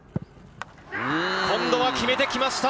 今度は決めてきました！